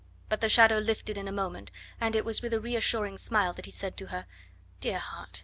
But the shadow lifted in a moment, and it was with a reassuring smile that he said to her: "Dear heart!